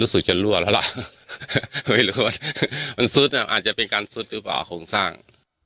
รู้สึกจะรั่วแล้วล่ะไม่รู้ว่ามันซุดอ่ะอาจจะเป็นการซุดหรือเปล่าโครงสร้าง